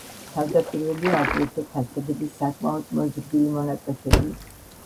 თავდაპირველია აგრეთვე ფასადების საკმაოდ მოზრდილი მონაკვეთები.